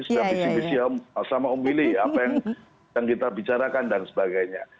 setiap bisik bisik sama om willy apa yang kita bicarakan dan sebagainya